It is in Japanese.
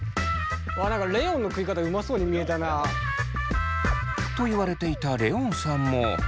あ何かレオンの食い方うまそうに見えたな。と言われていたレオンさんも。